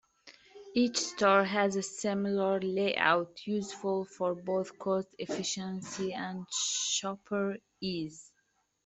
Each store has a similar layout, useful for both cost efficiency and shopper ease.